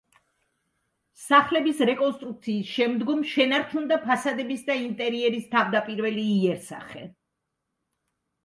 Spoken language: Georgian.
სახლების რეკონსტრუქციის შემდგომ შენარჩუნდა ფასადების და ინტერიერის თავდაპირველი იერსახე.